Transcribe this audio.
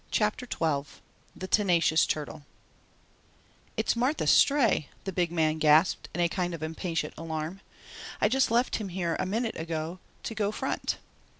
CHAPTER XII THE TENACIOUS TURTLE "It's Martha's Stray," the big man gasped in a kind of impatient alarm. "I just left him here a minute ago to go front."